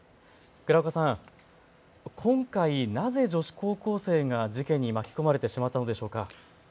倉岡さん、今回、なぜ女子高校生が事件に巻き込まれてしまったのでしょうか。